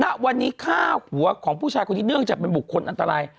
ณวันนี้ฆ่าหัวของผู้ชายคนนี้เนื่องจากเป็นบุคคลอันตราย